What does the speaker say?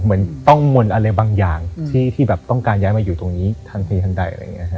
เหมือนต้องมนอะไรบางอย่างที่แบบต้องการย้ายมาอยู่ตรงนี้ทันทีทันใด